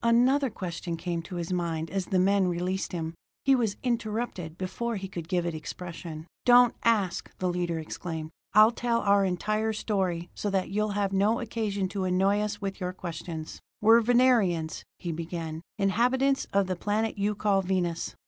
Another question came to his mind as the men released him. He was interrupted before he could give it expression. "Don't ask," the leader exclaimed. "I'll tell our entire story so that you'll have no occasion to annoy us with your questions. "We're Venerians," he began, "inhabitants of the planet you call Venus.